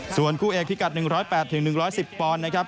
ส่วนคู่เอกพิกัด๑๐๘๑๑๐ปอนด์นะครับ